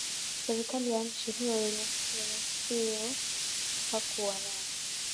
serikali ya nchi hiyo Yeye sio tu hakuwa na